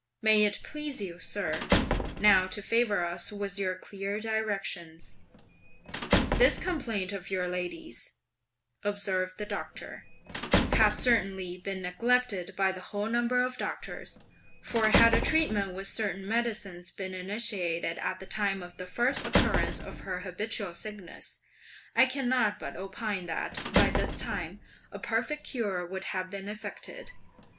May it please you, sir, now to favour us with your clear directions." "This complaint of your lady's," observed the Doctor, "has certainly been neglected by the whole number of doctors; for had a treatment with certain medicines been initiated at the time of the first occurrence of her habitual sickness, I cannot but opine that, by this time, a perfect cure would have been effected.